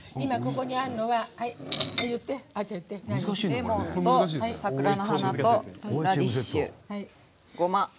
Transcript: レモンと桜の花とラディッシュ、ごま。